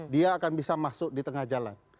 dia akan bisa masuk di tengah jalan